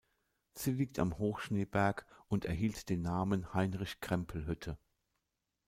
Sie liegt am Hochschneeberg und erhielt den Namen "Heinrich-Krempel-Hütte".